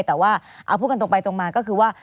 แต่ว่าเอาพูดกันตรงไปตรงมาก็คือว่า